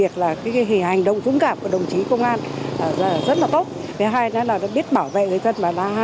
cảm ơn các đồng chí công an